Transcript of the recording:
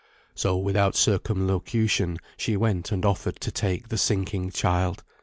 _] So without circumlocution she went and offered to take the sinking child.